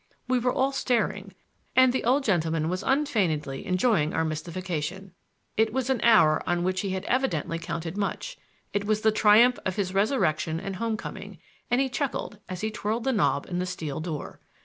We were all staring, and the old gentleman was unfeignedly enjoying our mystification. It was an hour on which he had evidently counted much; it was the triumph of his resurrection and home coming, and he chuckled as he twirled the knob in the steel door.